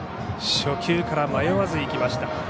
初球から迷わずいきました。